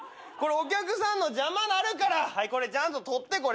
これお客さんの邪魔なるからはいこれちゃんと取って。